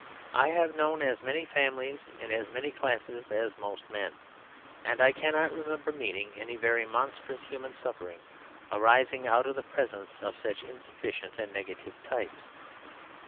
I have known as many families in as many classes as most men; and I cannot remember meeting any very monstrous human suffering arising out of the presence of such insufficient and negative types.